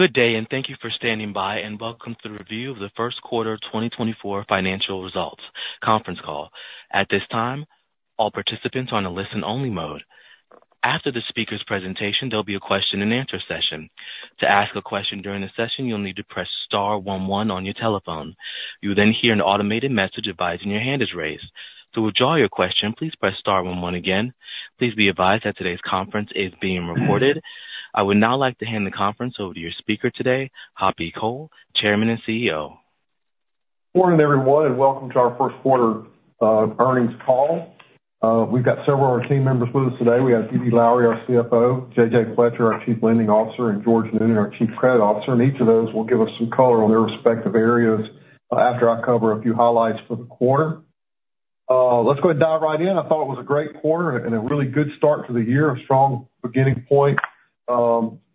Good day and thank you for standing by and welcome to the review of the first quarter 2024 financial results conference call. At this time, all participants are in a listen-only mode. After the speaker's presentation, there'll be a question-and-answer session. To ask a question during the session, you'll need to press star one one on your telephone. You'll then hear an automated message advising your hand is raised. To withdraw your question, please press star one one again. Please be advised that today's conference is being recorded. I would now like to hand the conference over to your speaker today, Hoppy Cole, Chairman and CEO. Morning everyone and welcome to our first quarter earnings call. We've got several of our team members with us today. We have Dee Dee Lowery, our CFO; J.J. Fletcher, our Chief Lending Officer; and George Noonan, our Chief Credit Officer. And each of those will give us some color on their respective areas after I cover a few highlights for the quarter. Let's go ahead and dive right in. I thought it was a great quarter and a really good start to the year, a strong beginning point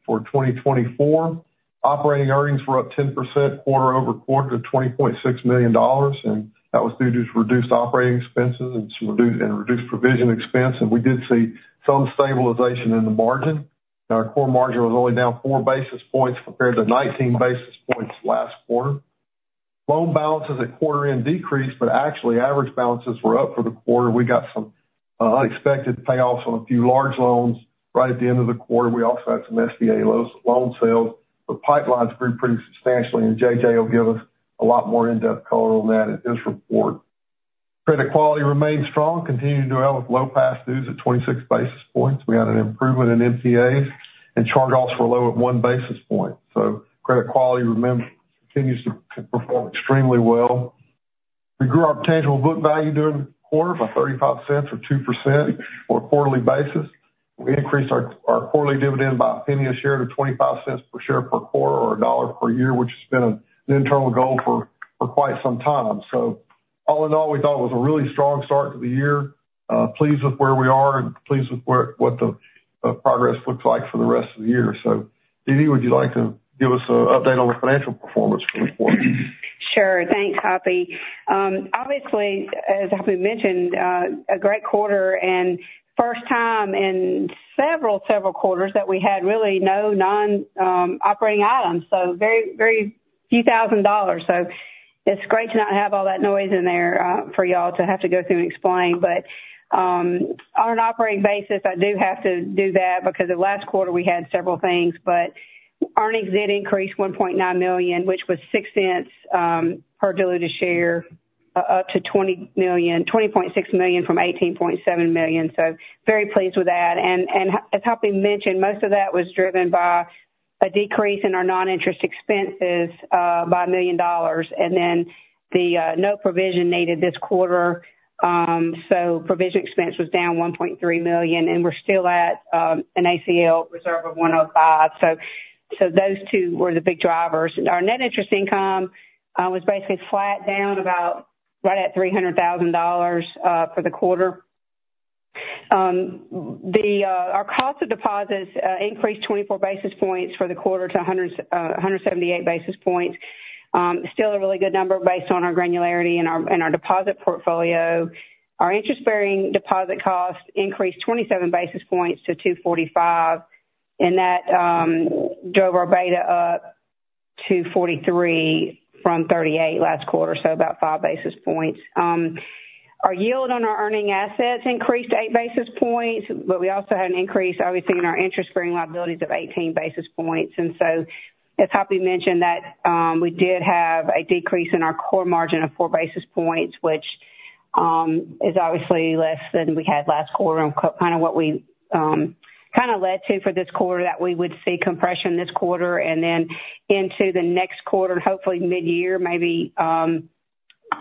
for 2024. Operating earnings were up 10% quarter-over-quarter to $20.6 million, and that was due to reduced operating expenses and reduced provision expense. And we did see some stabilization in the margin. Our core margin was only down 4 basis points compared to 19 basis points last quarter. Loan balances at quarter-end decreased, but actually average balances were up for the quarter. We got some unexpected payoffs on a few large loans right at the end of the quarter. We also had some SBA loan sales, but pipelines grew pretty substantially, and J.J. will give us a lot more in-depth color on that in his report. Credit quality remained strong, continuing to do well with low past dues at 26 basis points. We had an improvement in NPAs and charge-offs were low at 1 basis point, so credit quality continues to perform extremely well. We grew our tangible book value during the quarter by $0.35 or 2% on a quarterly basis. We increased our quarterly dividend by $0.01 a share to $0.25 per share per quarter or $1 per year, which has been an internal goal for quite some time. So all in all, we thought it was a really strong start to the year. Pleased with where we are and pleased with what the progress looks like for the rest of the year. So Dee Dee would you like to give us an update on the financial performance for the quarter? Sure. Thanks, Hoppy. Obviously, as Hoppy mentioned, a great quarter and first time in several, several quarters that we had really no non-operating items, so very, very few thousand dollars. So it's great to not have all that noise in there for y'all to have to go through and explain. But on an operating basis, I do have to do that because the last quarter we had several things, but earnings did increase $1.9 million, which was $0.06 per diluted share, up to $20.6 million from $18.7 million. So very pleased with that. And as Hoppy mentioned, most of that was driven by a decrease in our non-interest expenses by $1 million and then the no provision needed this quarter. So provision expense was down $1.3 million, and we're still at an ACL reserve of 105. So those two were the big drivers. Our net interest income was basically flat down about right at $300,000 for the quarter. Our cost of deposits increased 24 basis points for the quarter to 178 basis points, still a really good number based on our granularity and our deposit portfolio. Our interest-bearing deposit cost increased 27 basis points to 245, and that drove our beta up to 43 from 38 last quarter, so about 5 basis points. Our yield on our earning assets increased eight basis points, but we also had an increase, obviously, in our interest-bearing liabilities of 18 basis points. And so as Hoppy mentioned, that we did have a decrease in our core margin of 4 basis points, which is obviously less than we had last quarter and kind of what we kind of led to for this quarter, that we would see compression this quarter and then into the next quarter and hopefully mid-year maybe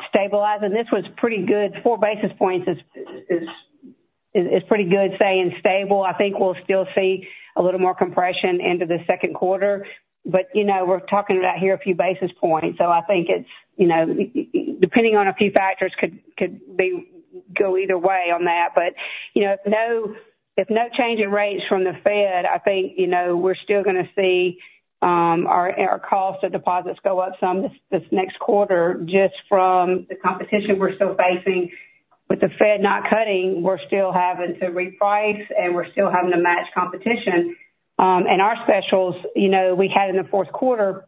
stabilize. And this was pretty good. 4 basis points is pretty good, staying stable. I think we'll still see a little more compression into the second quarter, but we're talking about here a few basis points. So I think it's depending on a few factors could go either way on that. But if no change in rates from the Fed, I think we're still going to see our cost of deposits go up some this next quarter just from the competition we're still facing. With the Fed not cutting, we're still having to reprice, and we're still having to match competition. Our specials, we had in the fourth quarter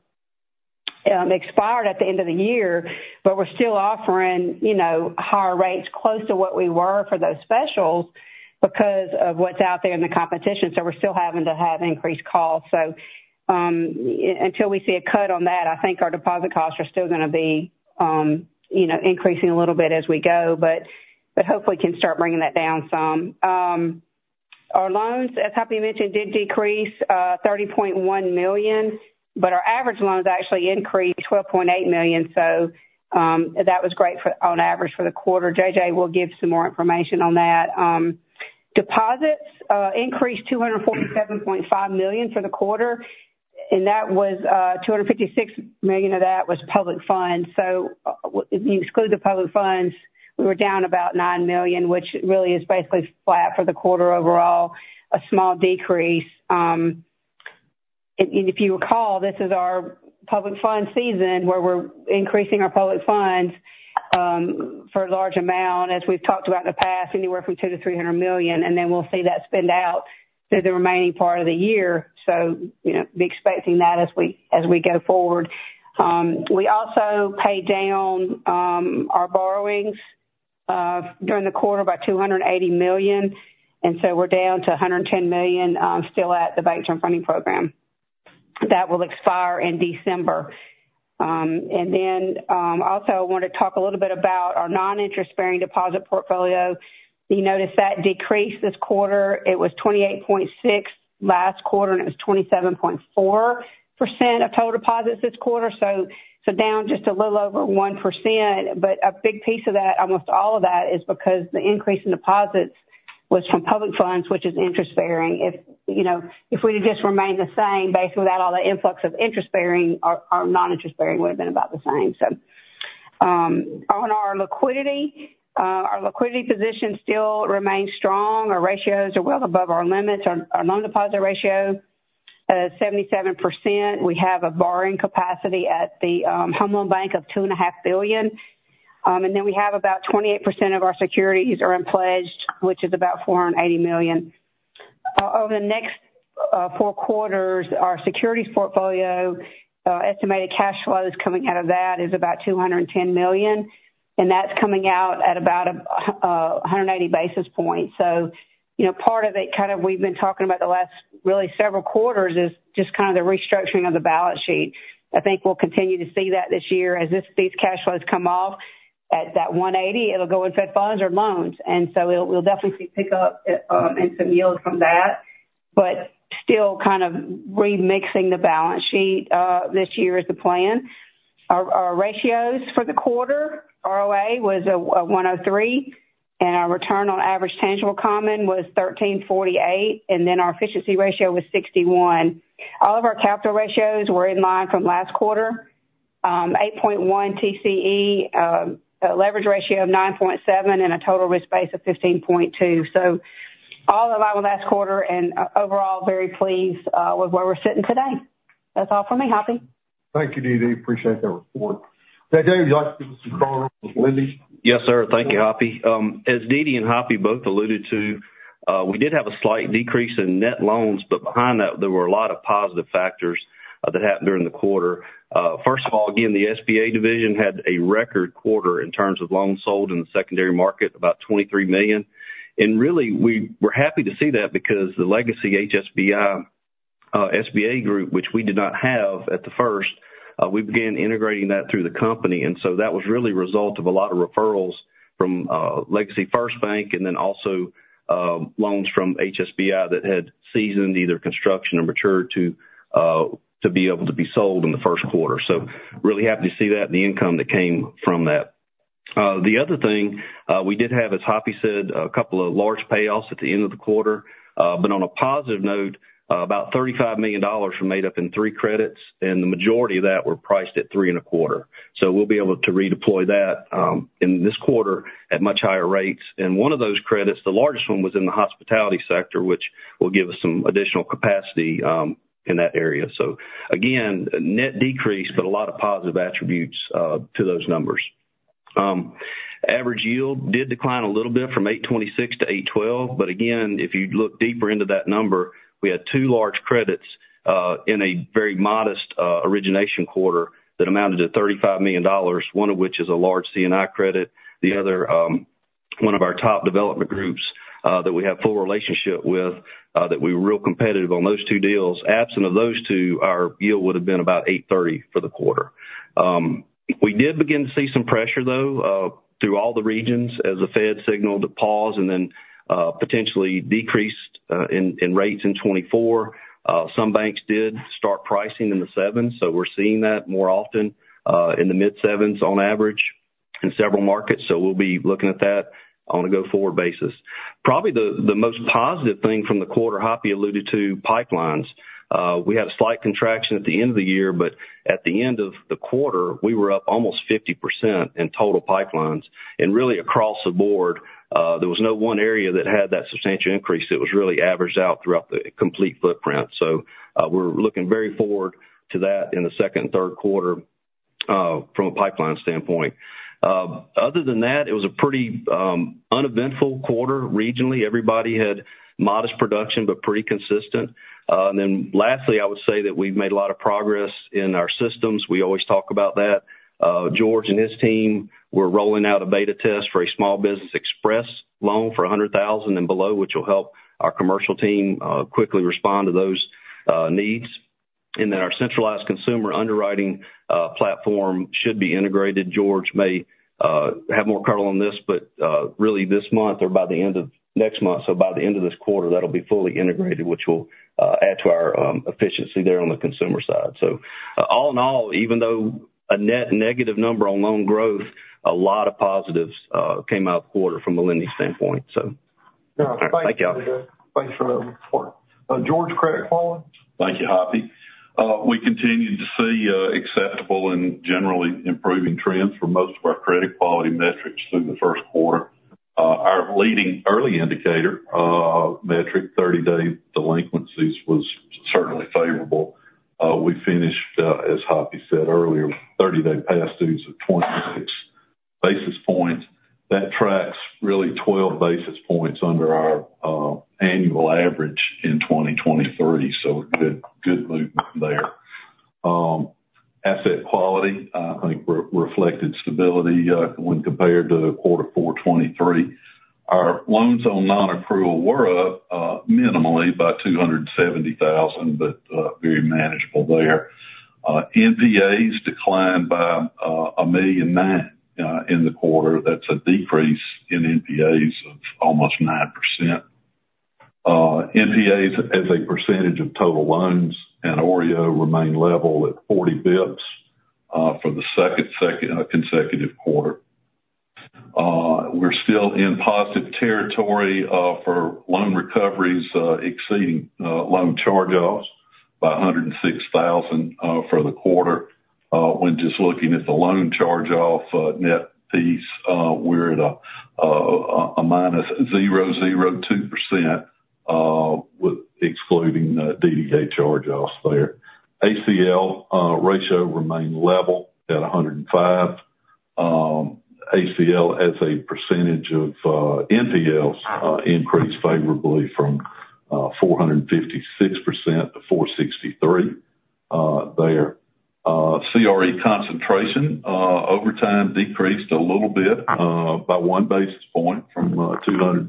expired at the end of the year, but we're still offering higher rates close to what we were for those specials because of what's out there in the competition. We're still having to have increased costs. Until we see a cut on that, I think our deposit costs are still going to be increasing a little bit as we go, but hopefully can start bringing that down some. Our loans, as Hoppy mentioned, did decrease $30.1 million, but our average loans actually increased $12.8 million. That was great on average for the quarter. J.J. will give some more information on that. Deposits increased $247.5 million for the quarter, and $256 million of that was public funds. So if you exclude the public funds, we were down about $9 million, which really is basically flat for the quarter overall, a small decrease. If you recall, this is our public funds season where we're increasing our public funds for a large amount, as we've talked about in the past, anywhere from $2 million to $300 million, and then we'll see that spend out through the remaining part of the year. So be expecting that as we go forward. We also paid down our borrowings during the quarter by $280 million, and so we're down to $110 million, still at the Bank Term Funding Program that will expire in December. And then also I wanted to talk a little bit about our non-interest-bearing deposit portfolio. You notice that decreased this quarter. It was 28.6 last quarter, and it was 27.4% of total deposits this quarter, so down just a little over 1%. But a big piece of that, almost all of that, is because the increase in deposits was from public funds, which is interest-bearing. If we had just remained the same, basically without all the influx of interest-bearing, our non-interest-bearing would have been about the same. So on our liquidity, our liquidity position still remains strong. Our ratios are well above our limits. Our loan deposit ratio is 77%. We have a borrowing capacity at the Federal Home Loan Bank of $2.5 billion, and then we have about 28% of our securities are unpledged, which is about $480 million. Over the next four quarters, our securities portfolio estimated cash flows coming out of that is about $210 million, and that's coming out at about 180 basis points. So part of it kind of we've been talking about the last really several quarters is just kind of the restructuring of the balance sheet. I think we'll continue to see that this year. As these cash flows come off at that 180, it'll go in Fed funds or loans, and so we'll definitely see pickup and some yield from that, but still kind of remixing the balance sheet this year is the plan. Our ratios for the quarter, ROA, was 103%, and our return on average tangible common was 13.48%, and then our efficiency ratio was 61%. All of our capital ratios were in line from last quarter: 8.1 TCE, a leverage ratio of 9.7, and a total risk-based of 15.2. So all in line with last quarter and overall very pleased with where we're sitting today. That's all from me, Hoppy. Thank you, Dee Dee. Appreciate that report. J.J., would you like to give us some color on this lending? Yes, sir. Thank you, Hoppy. As Dee Dee and Hoppy both alluded to, we did have a slight decrease in net loans, but behind that, there were a lot of positive factors that happened during the quarter. First of all, again, the SBA division had a record quarter in terms of loans sold in the secondary market, about $23 million. And really, we're happy to see that because the legacy HSBI SBA group, which we did not have at the first, we began integrating that through the company. And so that was really a result of a lot of referrals from legacy First Bank and then also loans from HSBI that had seasoned either construction or matured to be able to be sold in the first quarter. So really happy to see that and the income that came from that. The other thing we did have, as Hoppy said, a couple of large payoffs at the end of the quarter, but on a positive note, about $35 million were made up in three credits, and the majority of that were priced at 3.25%. So we'll be able to redeploy that in this quarter at much higher rates. And one of those credits, the largest one, was in the hospitality sector, which will give us some additional capacity in that area. So again, net decrease, but a lot of positive attributes to those numbers. Average yield did decline a little bit from 826 to 812, but again, if you look deeper into that number, we had two large credits in a very modest origination quarter that amounted to $35 million, one of which is a large C&I credit. The other, one of our top development groups that we have full relationship with, that we were real competitive on those two deals, absent of those two, our yield would have been about 830 for the quarter. We did begin to see some pressure though, through all the regions as the Fed signaled to pause potentially decreased in rates in 2024. Some banks did start pricing in the sevens, so we're seeing that more often in the mid-sevens on average in several markets. So we'll be looking at that on a go-forward basis. Probably the most positive thing from the quarter, Hoppy alluded to, pipelines. We had a slight contraction at the end of the year, but at the end of the quarter, we were up almost 50% in total pipelines. And really, across the board, there was no one area that had that substantial increase. It was really averaged out throughout the complete footprint. So we're looking very forward to that in the second and third quarter from a pipeline standpoint. Other than that, it was a pretty uneventful quarter regionally. Everybody had modest production but pretty consistent. And then lastly, I would say that we've made a lot of progress in our systems. We always talk about that. George and his team were rolling out a beta test for a Small Business Express Loan for $100,000 and below, which will help our commercial team quickly respond to those needs. And then our centralized consumer underwriting platform should be integrated. George may have more color on this, but really this month or by the end of next month, so by the end of this quarter, that'll be fully integrated, which will add to our efficiency there on the consumer side. All in all, even though a net negative number on loan growth, a lot of positives came out of the quarter from a lending standpoint, so. All right. Thank you, Hoppy. Thanks for that report. George, credit quality? Thank you, Hoppy. We continued to see acceptable and generally improving trends for most of our credit quality metrics through the first quarter. Our leading early indicator metric, 30-day delinquencies, was certainly favorable. We finished, as Hopi said earlier, 30-day past dues at 26 basis points. That tracks really 12 basis points under our annual average in 2023, so good movement there. Asset quality, I think, reflected stability when compared to quarter 4 2023. Our loans on non-accrual were up minimally by $270,000, but very manageable there. NPAs declined by $1.9 million in the quarter. That's a decrease in NPAs of almost 9%. NPAs as a percentage of total loans and OREO remain level at 40 basis points for the second consecutive quarter. We're still in positive territory for loan recoveries exceeding loan charge-offs by $106,000 for the quarter. When just looking at the loan charge-off net piece, we're at a minus 0.02%, excluding DDK charge-offs there. ACL ratio remained level at 105. ACL as a percentage of NPLs increased favorably from 456% to 463% there. CRE concentration over time decreased a little bit by one basis point from 207%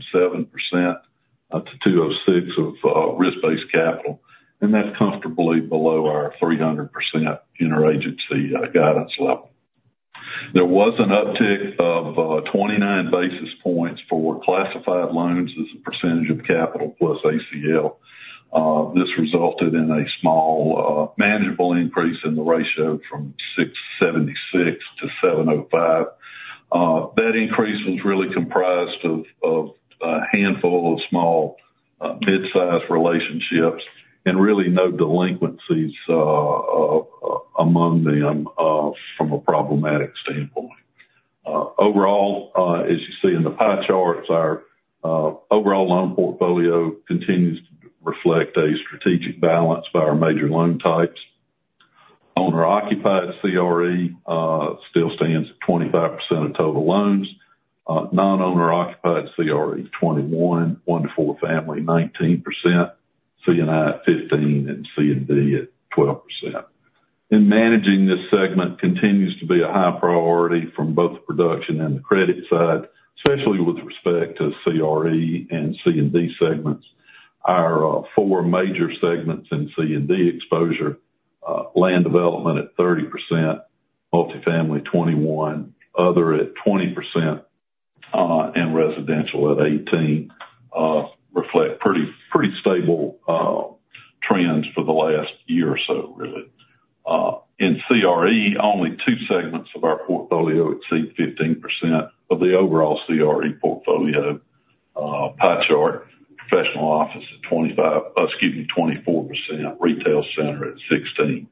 to 206% of risk-based capital, and that's comfortably below our 300% interagency guidance level. There was an uptick of 29 basis points for classified loans as a percentage of capital plus ACL. This resulted in a small manageable increase in the ratio from 676 to 705. That increase was really comprised of a handful of small mid-size relationships and really no delinquencies among them from a problematic standpoint. Overall, as you see in the pie charts, our overall loan portfolio continues to reflect a strategic balance by our major loan types. Owner-occupied CRE still stands at 25% of total loans. Non-owner-occupied CRE, 21%, one- to four-family, 19%, C&I at 15%, and C&D at 12%. Managing this segment continues to be a high priority from both production and the credit side, especially with respect to CRE and C&D segments. Our four major segments in C&D exposure, land development at 30%, multifamily 21%, other at 20%, and residential at 18%, reflect pretty stable trends for the last year or so, really. In CRE, only two segments of our portfolio exceed 15% of the overall CRE portfolio pie chart: professional office at 25%—excuse me, 24%—retail center at 16%.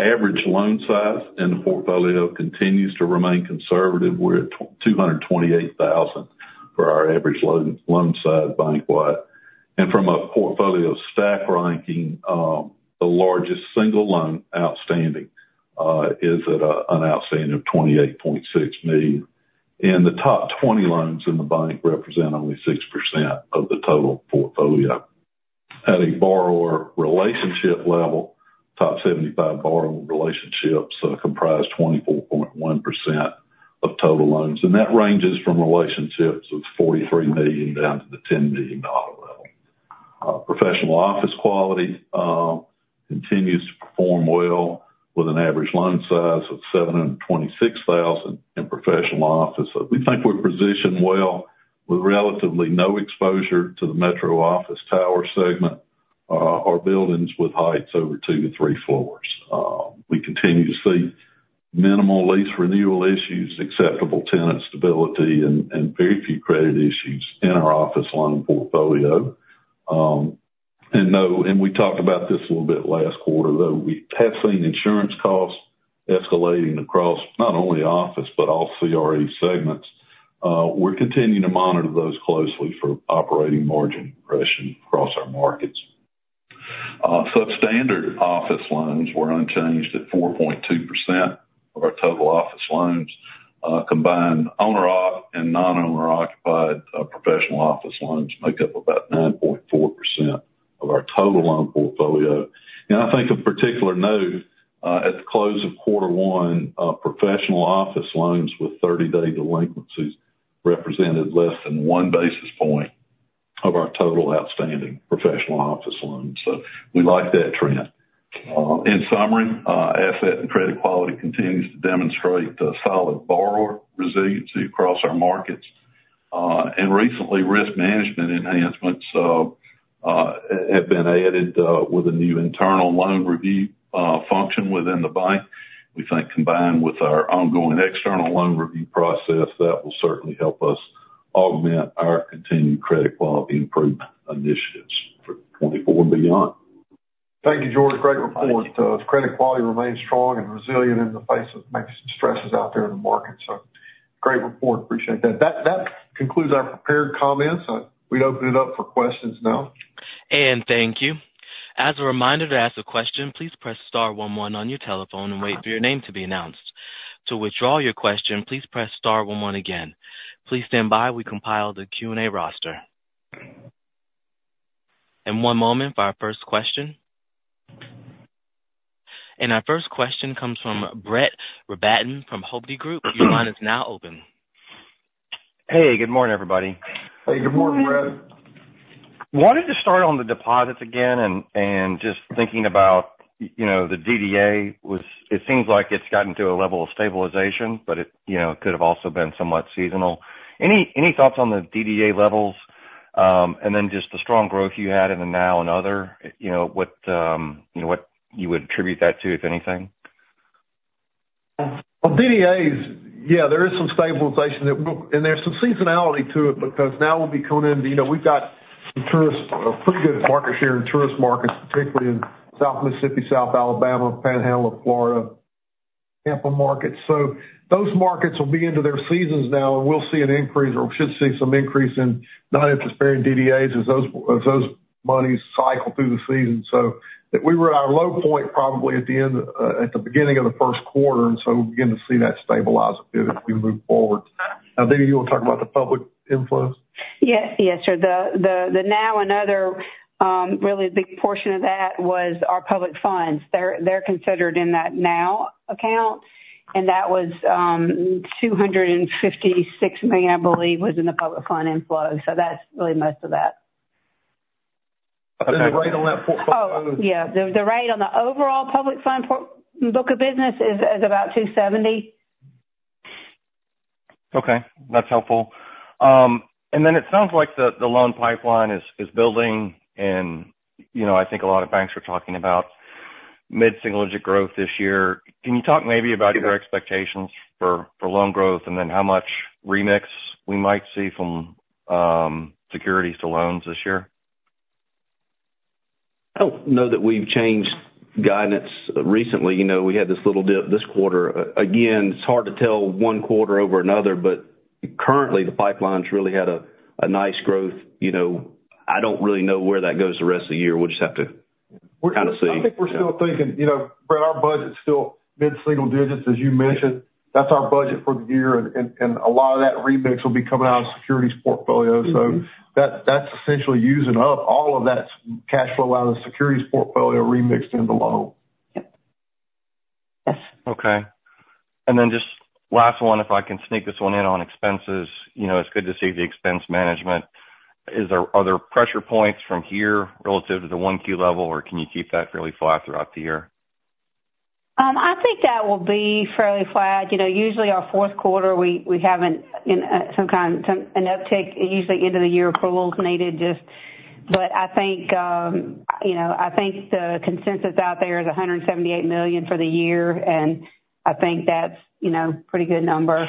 Average loan size in the portfolio continues to remain conservative. We're at $228,000 for our average loan size bankwide. From a portfolio stack ranking, the largest single loan outstanding is at an outstanding of $28.6 million. The top 20 loans in the bank represent only 6% of the total portfolio. At a borrower relationship level, top 75 borrower relationships comprise 24.1% of total loans, and that ranges from relationships of $43 million down to the $10 million level. Professional office quality continues to perform well with an average loan size of $726,000 in professional office. We think we're positioned well with relatively no exposure to the metro office tower segment or buildings with heights over two to three floors. We continue to see minimal lease renewal issues, acceptable tenant stability, and very few credit issues in our office loan portfolio. We talked about this a little bit last quarter, though. We have seen insurance costs escalating across not only office but all CRE segments. We're continuing to monitor those closely for operating margin compression across our markets. Substandard office loans were unchanged at 4.2% of our total office loans. Combined owner-occupied and non-owner-occupied professional office loans make up about 9.4% of our total loan portfolio. I think of particular note, at the close of quarter one, professional office loans with 30-day delinquencies represented less than one basis point of our total outstanding professional office loans. We like that trend. In summary, asset and credit quality continues to demonstrate solid borrower resiliency across our markets. Recently, risk management enhancements have been added with a new internal loan review function within the bank. We think combined with our ongoing external loan review process, that will certainly help us augment our continued credit quality improvement initiatives for 2024 and beyond. Thank you, George. Great report. Credit quality remains strong and resilient in the face of maybe some stresses out there in the market, so great report. Appreciate that. That concludes our prepared comments. We'd open it up for questions now. And thank you. As a reminder, to ask a question, please press star one one on your telephone and wait for your name to be announced. To withdraw your question, please press star one one again. Please stand by. We compile the Q&A roster. And one moment for our first question. And our first question comes from Brett Rabatin from Hovde Group. Your line is now open. Hey. Good morning, everybody. Hey. Good morning, Brett. Wanted to start on the deposits again and just thinking about the DDA. It seems like it's gotten to a level of stabilization, but it could have also been somewhat seasonal. Any thoughts on the DDA levels and then just the strong growth you had in the NOW and other, what you would attribute that to, if anything? Well, DDAs, yeah, there is some stabilization, and there's some seasonality to it because now we'll be coming into we've got a pretty good market share in tourist markets, particularly in South Mississippi, South Alabama, Panhandle of Florida, Tampa markets. So those markets will be into their seasons now, and we'll see an increase or should see some increase in non-interest-bearing DDAs as those monies cycle through the season. So we were at our low point probably at the beginning of the first quarter, and so we'll begin to see that stabilize a bit as we move forward. Now, Dee Dee, you want to talk about the public inflows? Yes, sir. The NOW and other, really a big portion of that was our public funds. They're considered in that NOW account, and that was $256 million, I believe, was in the public fund inflow. So that's really most of that. The rate on that portfolio? Oh, yeah. The rate on the overall public fund book of business is about 270. Okay. That's helpful. And then it sounds like the loan pipeline is building, and I think a lot of banks are talking about mid-single-digit growth this year. Can you talk maybe about your expectations for loan growth and then how much remix we might see from securities to loans this year? I don't know that we've changed guidance recently. We had this little dip this quarter. Again, it's hard to tell one quarter over another, but currently, the pipeline's really had a nice growth. I don't really know where that goes the rest of the year. We'll just have to kind of see. I think we're still thinking, "Brett, our budget's still mid-single digits," as you mentioned. That's our budget for the year, and a lot of that remix will be coming out of securities portfolios. So that's essentially using up all of that cash flow out of the securities portfolio remixed into loan. Yep. Yes. Okay. And then just last one, if I can sneak this one in on expenses. It's good to see the expense management. Are there pressure points from here relative to the 1Q level, or can you keep that fairly flat throughout the year? I think that will be fairly flat. Usually, our fourth quarter, we have some kind of an uptake. Usually, end-of-the-year approvals are needed, but I think the consensus out there is $178 million for the year, and I think that's a pretty good number,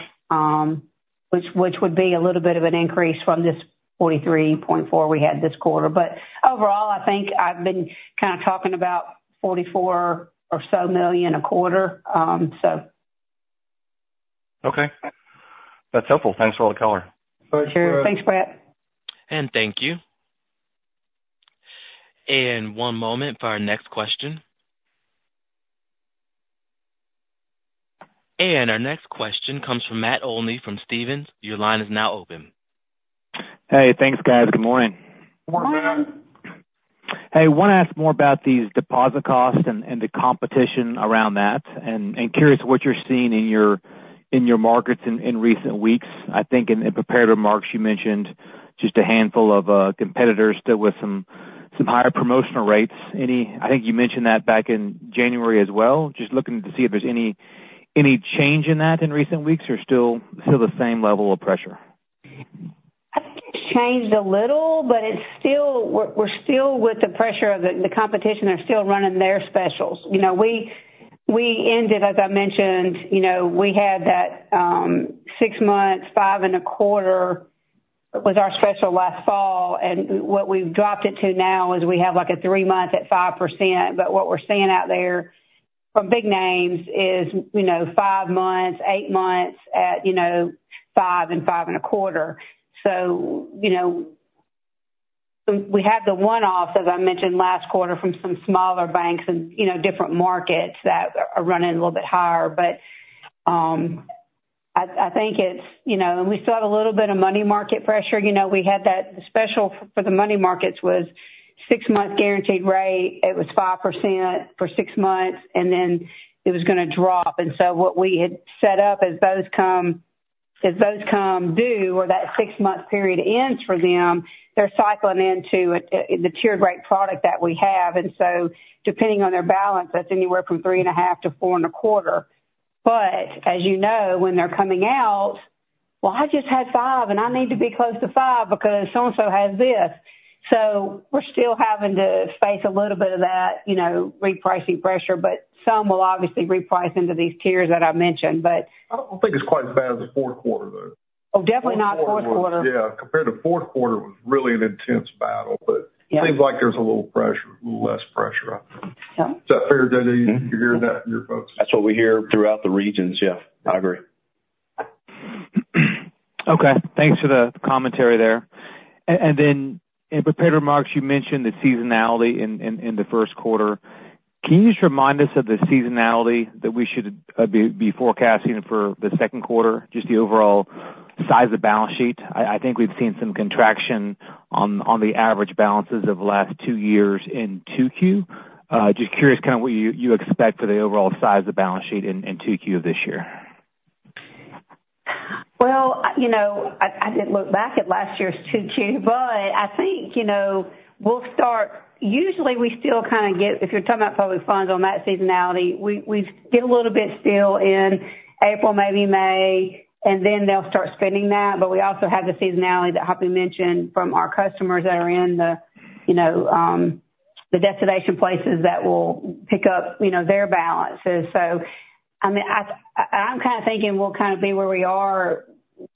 which would be a little bit of an increase from this $43.4 million we had this quarter. But overall, I think I've been kind of talking about $44 million or so a quarter, so. Okay. That's helpful. Thanks for all the color. All right, sir. Thanks, Brett. Thank you. One moment for our next question. Our next question comes from Matt Olney from Stephens. Your line is now open. Hey. Thanks, guys. Good morning. Morning. Hey. I want to ask more about these deposit costs and the competition around that. And curious what you're seeing in your markets in recent weeks. I think in prepared remarks, you mentioned just a handful of competitors still with some higher promotional rates. I think you mentioned that back in January as well. Just looking to see if there's any change in that in recent weeks, or still the same level of pressure? I think it's changed a little, but we're still with the pressure of the competition. They're still running their specials. We ended, as I mentioned, we had that six months, 5.25% was our special last fall, and what we've dropped it to now is we have a three-month at 5%. But what we're seeing out there from big names is five months, eight months at 5% and 5.25%. So we had the one-offs, as I mentioned, last quarter from some smaller banks and different markets that are running a little bit higher. But I think it's and we still have a little bit of money market pressure. We had that the special for the money markets was six-month guaranteed rate. It was 5% for six months, and then it was going to drop. And so what we had set up as those come due or that six-month period ends for them, they're cycling into the tiered-rate product that we have. And so depending on their balance, that's anywhere from 3.5%-4.25%. But as you know, when they're coming out, "Well, I just had 5%, and I need to be close to 5% because so-and-so has this." So we're still having to face a little bit of that repricing pressure, but some will obviously reprice into these tiers that I mentioned, but. I don't think it's quite as bad as the fourth quarter, though. Oh, definitely not fourth quarter. Fourth quarter, yeah. Compared to fourth quarter, it was really an intense battle, but it seems like there's a little pressure, a little less pressure, I think. Is that fair, Dee Dee? You're hearing that from your folks? That's what we hear throughout the regions. Yeah. I agree. Okay. Thanks for the commentary there. And then in preparatory remarks, you mentioned the seasonality in the first quarter. Can you just remind us of the seasonality that we should be forecasting for the second quarter, just the overall size of balance sheet? I think we've seen some contraction on the average balances of the last two years in 2Q. Just curious kind of what you expect for the overall size of balance sheet in 2Q of this year. Well, I didn't look back at last year's 2Q, but I think we'll start. Usually, we still kind of get, if you're talking about public funds on that seasonality, we get a little bit still in April, maybe May, and then they'll start spending that. But we also have the seasonality that Hoppy mentioned from our customers that are in the destination places that will pick up their balances. So I mean, I'm kind of thinking we'll kind of be where we are.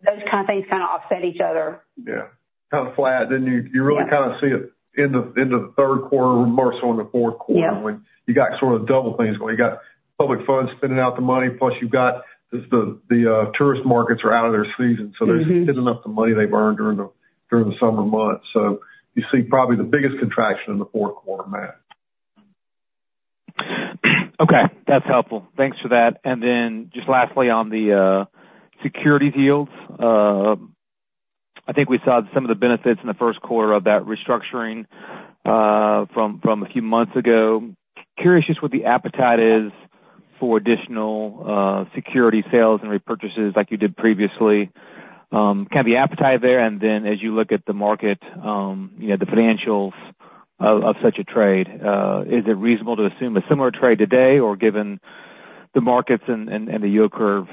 Those kind of things kind of offset each other. Yeah. Kind of flat. Then you really kind of see it in the third quarter more so in the fourth quarter when you got sort of double things going. You got public funds spending out the money, plus you've got the tourist markets are out of their season. So they're spending up the money they've earned during the summer months. So you see probably the biggest contraction in the fourth quarter, Matt. Okay. That's helpful. Thanks for that. And then just lastly, on the securities yields, I think we saw some of the benefits in the first quarter of that restructuring from a few months ago. Curious just what the appetite is for additional security sales and repurchases like you did previously. Kind of the appetite there, and then as you look at the market, the financials of such a trade, is it reasonable to assume a similar trade today or given the markets and the yield curve?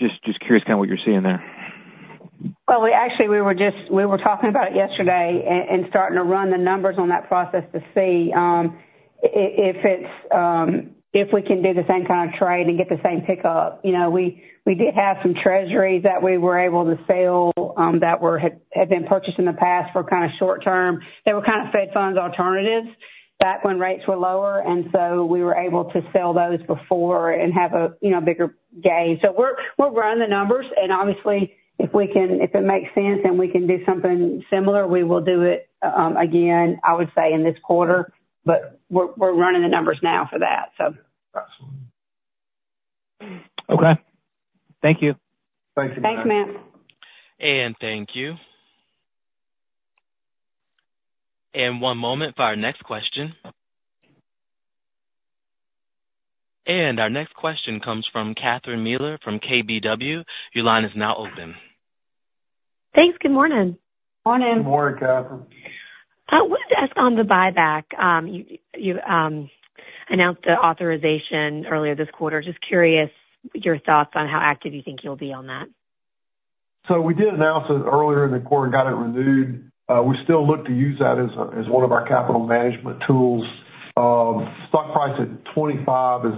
Just curious kind of what you're seeing there. Well, actually, we were talking about it yesterday and starting to run the numbers on that process to see if we can do the same kind of trade and get the same pickup. We did have some treasuries that we were able to sell that had been purchased in the past for kind of short term. They were kind of Fed funds alternatives back when rates were lower, and so we were able to sell those before and have a bigger gain. So we're running the numbers, and obviously, if it makes sense and we can do something similar, we will do it again, I would say, in this quarter. But we're running the numbers now for that, so. Absolutely. Okay. Thank you. Thanks, everybody. Thanks, Matt. Thank you. One moment for our next question. Our next question comes from Catherine Mealor from KBW. Your line is now open. Thanks. Good morning. Morning. Good morning, Catherine. I wanted to ask on the buyback. You announced the authorization earlier this quarter. Just curious your thoughts on how active you think you'll be on that. So we did announce it earlier in the quarter and got it renewed. We still look to use that as one of our capital management tools. Stock price at $25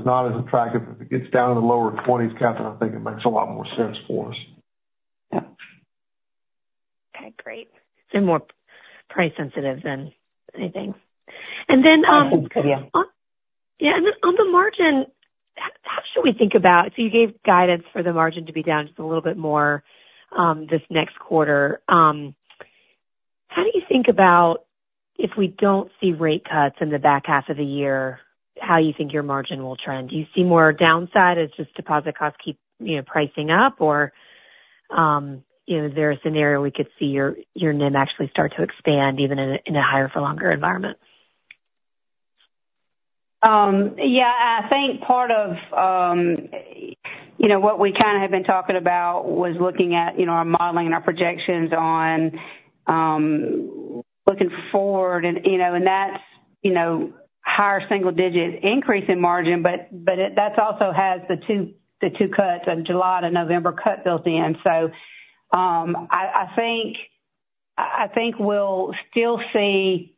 is not as attractive. If it gets down in the lower $20s, Catherine, I think it makes a lot more sense for us. Yeah. Okay. Great. More price-sensitive than anything. Then. I think so, yeah. Yeah. And then on the margin, how should we think about so you gave guidance for the margin to be down just a little bit more this next quarter. How do you think about if we don't see rate cuts in the back half of the year, how do you think your margin will trend? Do you see more downside as just deposit costs keep pricing up, or is there a scenario we could see your NIM actually start to expand even in a higher-for-longer environment? Yeah. I think part of what we kind of have been talking about was looking at our modeling and our projections on looking forward, and that's higher single-digit increase in margin, but that also has the two cuts, a July and a November cut, built in. So I think we'll still see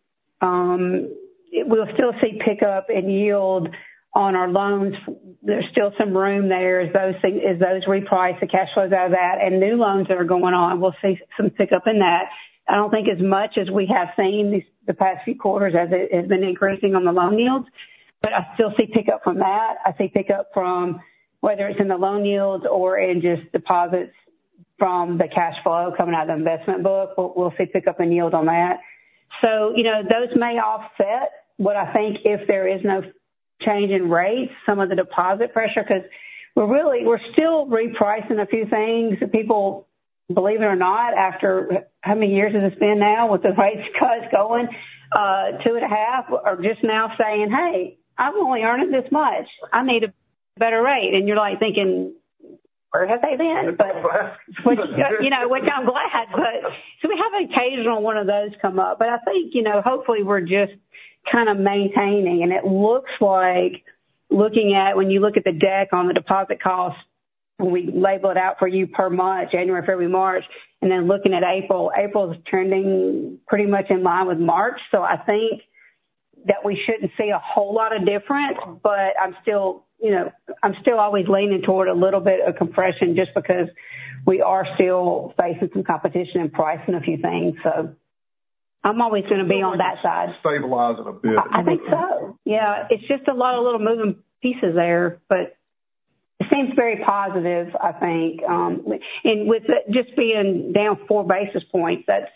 we'll still see pickup in yield on our loans. There's still some room there. In those repriced, the cash flows out of that, and new loans that are going on? We'll see some pickup in that. I don't think as much as we have seen the past few quarters as it has been increasing on the loan yields, but I still see pickup from that. I see pickup from whether it's in the loan yields or in just deposits from the cash flow coming out of the investment book. We'll see pickup in yield on that. So those may offset what I think if there is no change in rates, some of the deposit pressure because we're still repricing a few things. People, believe it or not, after how many years has this been now with the rate cuts going, 2.5 years, are just now saying, "Hey, I'm only earning this much. I need a better rate." And you're thinking, "Where have they been?" Which I'm glad, but. So we have an occasional one of those come up. But I think hopefully, we're just kind of maintaining, and it looks like looking at when you look at the deck on the deposit costs, when we label it out for you per month, January, February, March, and then looking at April, April's trending pretty much in line with March. So I think that we shouldn't see a whole lot of difference, but I'm still always leaning toward a little bit of compression just because we are still facing some competition in pricing a few things. So I'm always going to be on that side. I think it's going to stabilize it a bit. I think so. Yeah. It's just a lot of little moving pieces there, but it seems very positive, I think. And with just being down 4 basis points, that's.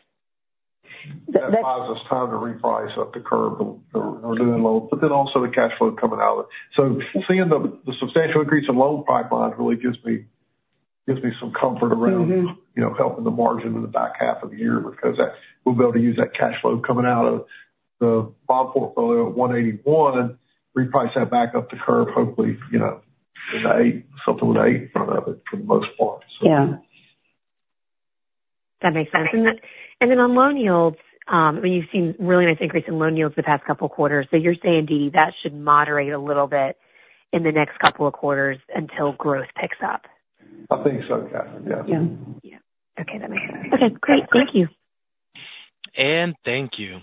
That's positive time to reprice up the curve for the renewing loans, but then also the cash flow coming out of it. So seeing the substantial increase in loan pipelines really gives me some comfort around helping the margin in the back half of the year because we'll be able to use that cash flow coming out of the bond portfolio at 181 basis points, reprice that back up the curve, hopefully, something with an eight in front of it for the most part, so. Yeah. That makes sense. And then on loan yields, I mean, you've seen really nice increase in loan yields the past couple of quarters. So you're saying, Dee Dee, that should moderate a little bit in the next couple of quarters until growth picks up. I think so, Catherine. Yeah. Yeah. Yeah. Okay. That makes sense. Okay. Great. Thank you. Thank you.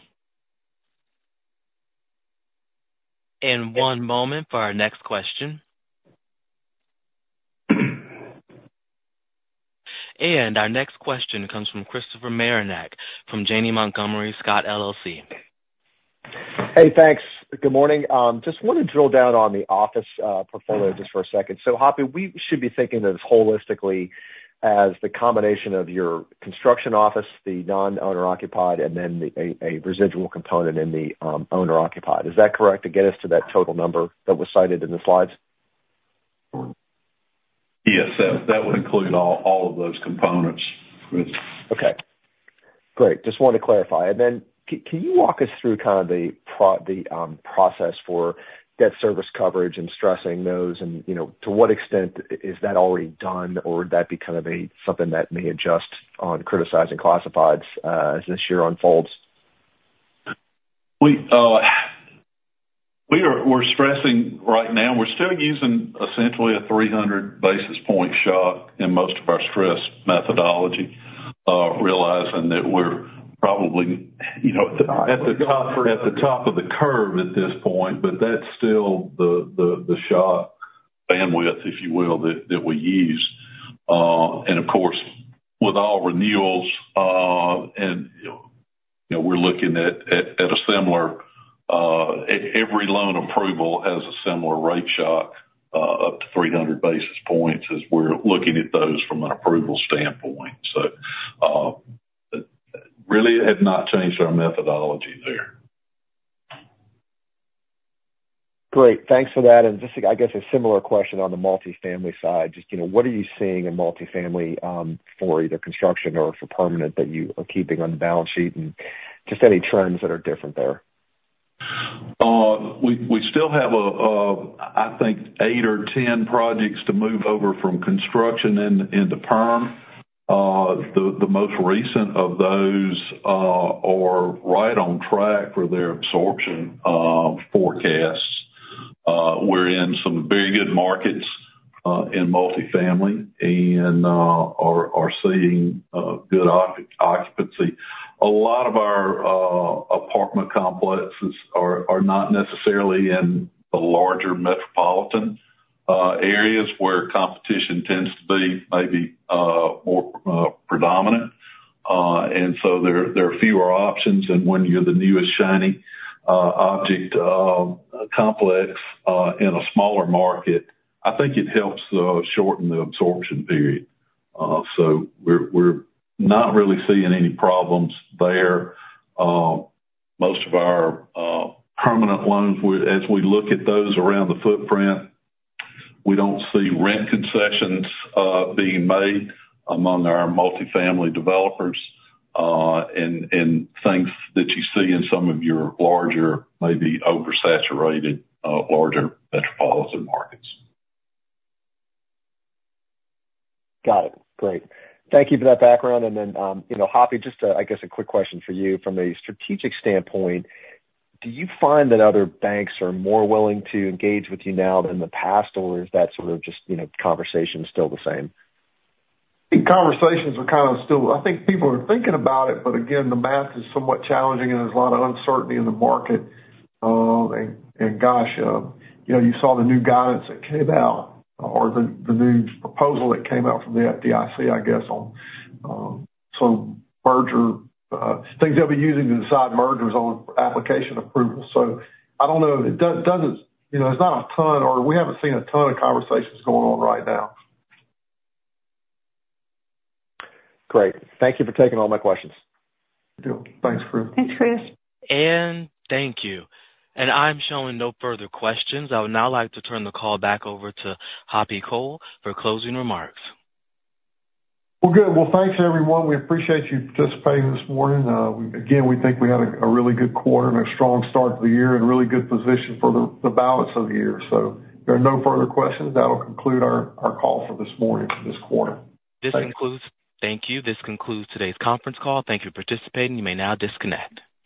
One moment for our next question. Our next question comes from Christopher Marinac from Janney Montgomery Scott, LLC. Hey. Thanks. Good morning. Just want to drill down on the office portfolio just for a second. So Hoppy, we should be thinking of this holistically as the combination of your construction office, the non-owner-occupied, and then a residual component in the owner-occupied. Is that correct to get us to that total number that was cited in the slides? Yes. That would include all of those components. Okay. Great. Just want to clarify. And then can you walk us through kind of the process for debt service coverage and stressing those? And to what extent is that already done, or would that be kind of something that may adjust on criticized classifieds as this year unfolds? We're stressing right now. We're still using essentially a 300 basis point shot in most of our stress methodology, realizing that we're probably at the top of the curve at this point, but that's still the shot bandwidth, if you will, that we use. And of course, with all renewals, and we're looking at a similar every loan approval has a similar rate shock up to 300 basis points as we're looking at those from an approval standpoint. So really, it had not changed our methodology there. Great. Thanks for that. Just, I guess, a similar question on the multifamily side. Just what are you seeing in multifamily for either construction or for permanent that you are keeping on the balance sheet and just any trends that are different there? We still have, I think, eight or 10 projects to move over from construction into perm. The most recent of those are right on track for their absorption forecasts. We're in some very good markets in multifamily and are seeing good occupancy. A lot of our apartment complexes are not necessarily in the larger metropolitan areas where competition tends to be maybe more predominant. And so there are fewer options. And when you're the newest shiny object complex in a smaller market, I think it helps shorten the absorption period. So we're not really seeing any problems there. Most of our permanent loans, as we look at those around the footprint, we don't see rent concessions being made among our multifamily developers and things that you see in some of your larger, maybe oversaturated, larger metropolitan markets. Got it. Great. Thank you for that background. And then Hoppy, just, I guess, a quick question for you from a strategic standpoint. Do you find that other banks are more willing to engage with you now than the past, or is that sort of just conversation still the same? I think conversations are kind of still. I think people are thinking about it, but again, the math is somewhat challenging, and there's a lot of uncertainty in the market. And gosh, you saw the new guidance that came out or the new proposal that came out from the FDIC, I guess, on so things they'll be using to decide mergers on application approval. So I don't know. It doesn't. There's not a ton or we haven't seen a ton of conversations going on right now. Great. Thank you for taking all my questions. Thanks, Chris. Thanks, Chris. Thank you. I'm showing no further questions. I would now like to turn the call back over to Hoppy Cole for closing remarks. Well, good. Well, thanks, everyone. We appreciate you participating this morning. Again, we think we had a really good quarter and a strong start to the year and really good position for the balance of the year. So if there are no further questions, that'll conclude our call for this morning for this quarter. This concludes. Thank you. This concludes today's conference call. Thank you for participating. You may now disconnect.